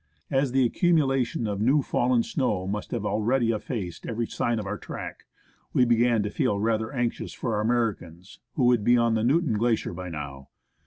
As the accumulation of new fallen snow must have already effaced every sign of our track, we began to feel rather anxious for our Americans, who would be on the Newton Glacier by now.